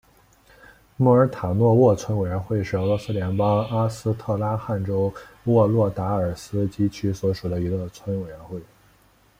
穆尔塔诺沃村委员会是俄罗斯联邦阿斯特拉罕州沃洛达尔斯基区所属的一个村委员会。